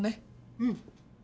うん。